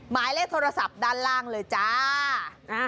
หมายเลขโทรศัพท์ด้านล่างเลยจ้า